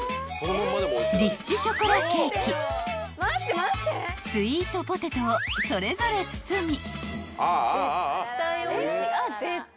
リッチショコラケーキスイートポテトをそれぞれ包み］